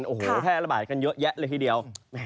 โอ้โหแพร่ระบาดกันเยอะแยะเลยทีเดียว